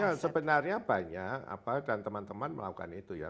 ya sebenarnya banyak dan teman teman melakukan itu ya